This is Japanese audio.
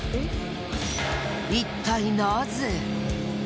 一体なぜ？